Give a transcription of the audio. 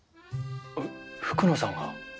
えっ福野さんが？